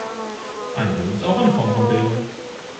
Einbildung ist auch eine Form von Bildung.